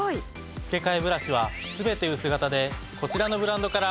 付替ブラシはすべて薄型でこちらのブランドから選べます。